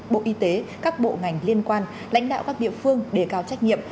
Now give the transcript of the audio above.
bộ y tế các bộ ngành liên quan lãnh đạo các địa phương đề cao trách nhiệm